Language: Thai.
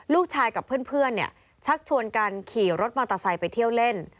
ลูกชายกับเพื่อนชักชวนกันขี่รถมอเตอร์ไซค์ไปเที่ยวเล่น